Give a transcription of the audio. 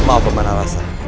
maaf pemanah rasa